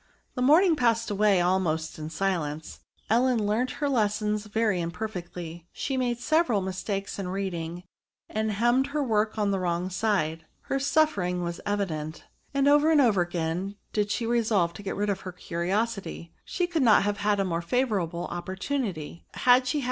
The morning passed away almost in silence; Ellen learnt her lessons very imperfectly ; she made several mistakes in reading, and hemmed her work on the wrong side. Her suffering was evident ; and over and over again did she resolve to get rid of her curiosity ; she could not have had a more favourable opportunity, had she had T 206 DEMONSTRATIVE PRONOUNS.